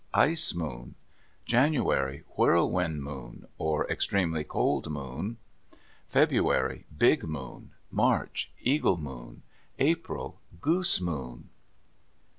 _—Ice moon. January.—Whirlwind moon; or, extremely cold moon. February.—Big moon. March.—Eagle moon. April.—Goose moon.